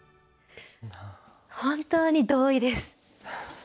本当に同意です。